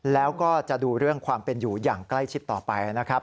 แล้วก็จะดูเรื่องความเป็นอยู่อย่างใกล้ชิดต่อไปนะครับ